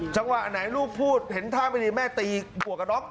จังหวะไหนลูกพูดเห็นท่าไม่ดีแม่ตีหมวกกระน็อก